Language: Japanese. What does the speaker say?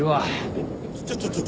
えっ。